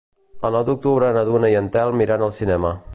El nou d'octubre na Duna i en Telm iran al cinema.